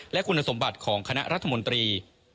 และคุณสมบัติของคณะรัฐมนตรี